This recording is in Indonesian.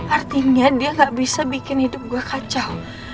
artinya dia gak bisa bikin hidup gue kacau